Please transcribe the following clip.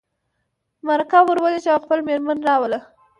مرکه ور ولېږه او خپله مېرمن راوله.